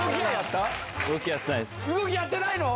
動きやってないの？